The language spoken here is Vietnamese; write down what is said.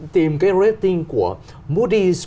tìm cái rating của moody s